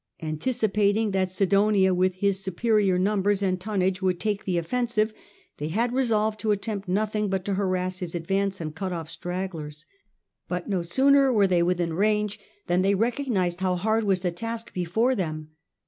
Anticipating that Sidonia with his superior numbers and tonnage would take the offensive, they had resolved to attempt nothing but to harass his advance and cut off stragglers. But no sooner were they within range, than they recognised how hard was the task before them.